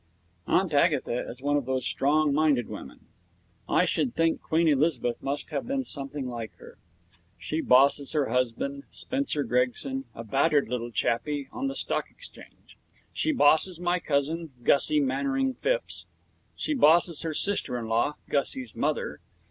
Aunt Agatha is one of those strong minded women. I should think Queen Elizabeth must have been something like her. She bosses her husband, Spencer Gregson, a battered little chappie on the Stock Exchange. She bosses my cousin, Gussie Mannering Phipps. She bosses her sister in law, Gussie's mother.